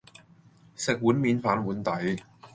食碗面，反碗底